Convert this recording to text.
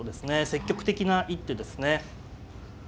積極的な一手ですね。